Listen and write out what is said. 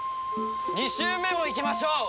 ２周目もいきましょう。